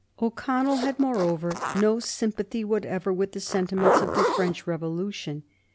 O'Connell had, moreover, no sympathy whatever with the sentiments of the French Revolution.